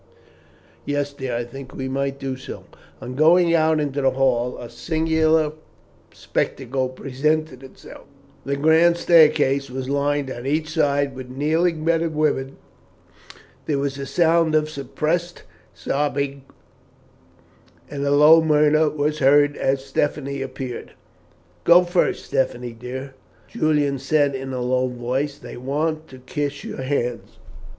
"Yes, dear, I think we might do so." On going out into the hall a singular spectacle presented itself. The grand staircase was lined on each side with kneeling men and women. There was a sound of suppressed sobbing, and a low murmur was heard as Stephanie appeared. "Go first, Stephanie dear," Julian said in a low voice; "they want to kiss your hands."